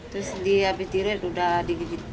terus di abis tidurnya udah digigit